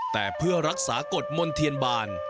แต่เพื่อรักษากฎมนเทียนบาน